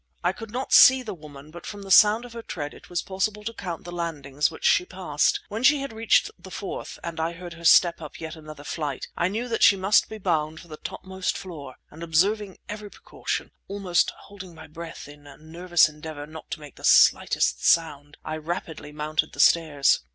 I could not see the woman, but from the sound of her tread it was possible to count the landings which she passed. When she had reached the fourth, and I heard her step upon yet another flight, I knew that she must be bound for the topmost floor; and observing every precaution, almost holding my breath in a nervous endeavour to make not the slightest sound, rapidly I mounted the stairs.